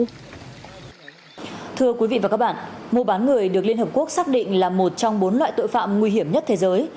thưa quý vị và các bạn mua bán người được liên hợp quốc xác định là một trong bốn loại tội phạm nguy hiểm nhất thế giới